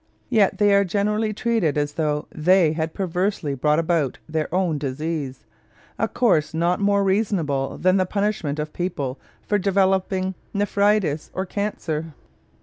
Yet they are generally treated as though they had perversely brought about their own disease, a course not more reasonable than the punishment of people for developing nephritis or cancer.